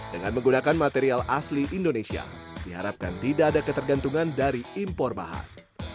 dengan menggunakan material asli indonesia diharapkan tidak ada ketergantungan dari impor bahan